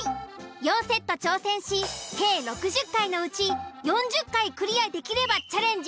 ４セット挑戦し計６０回のうち４０回クリアできればチャレンジ